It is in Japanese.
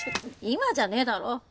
今じゃねえだろ！